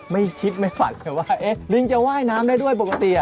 ไม่คิดไม่ฝันเลยว่าลิงจะว่ายน้ำได้ด้วยปกติ